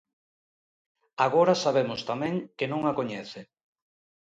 Agora sabemos tamén que non a coñece.